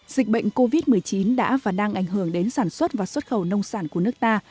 dịch bệnh covid một mươi chín đã và đang ảnh hưởng đến sản xuất và xuất khẩu nông sản của nước ta